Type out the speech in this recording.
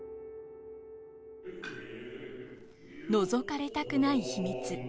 覗かれたくない秘密。